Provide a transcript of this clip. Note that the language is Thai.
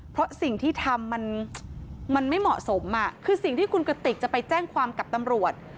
เพราะสิ่งที่ทำมันไม่เหมาะสมคือสิ่งที่คุณกติกจะไปแจ้งความกับตำรวจ